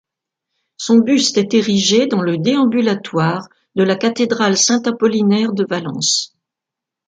Son buste est érigé dans le déambulatoire de la cathédrale Saint-Apollinaire de Valence.